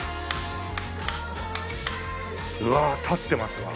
うわ立ってますわ。